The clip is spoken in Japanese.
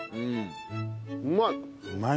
うまい！